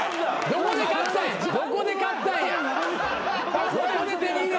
どこで買ったんや。